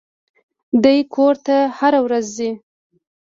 دى کور ته هره ورځ ځي.